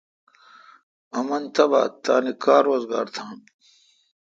امن تبا تان کار روزگار تھان۔